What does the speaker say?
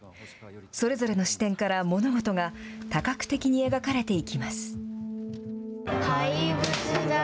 それぞれの視点から物事が多角的に描かれていきます。